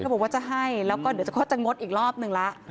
ก็บอกว่าจะให้ก็จะงดอีกรอบหนึ่งละ